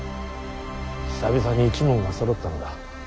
久々に一門がそろったのだ。